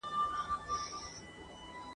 او دا غزل مي ولیکل !.